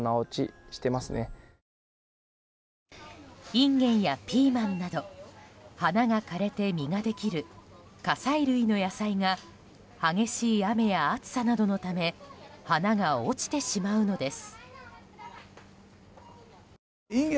インゲンやピーマンなど花が枯れて実ができる果菜類の野菜が激しい雨や暑さなどのため花が落ちてしまうのです。